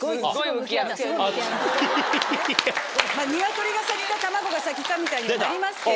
鶏が先か卵が先かみたいにはなりますけど。